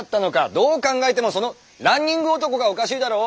どう考えてもその「ランニング男」がおかしいだろう？